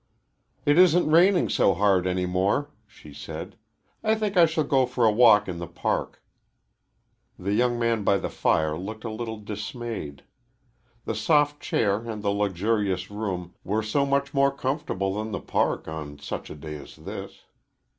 "It isn't raining so hard, any more," she said. "I think I shall go for a walk in the Park." The young man by the fire looked a little dismayed. The soft chair and the luxurious room were so much more comfortable than the Park on such a day as this.